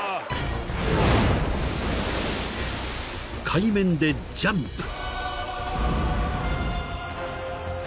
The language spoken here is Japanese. ［海面でジャンプ］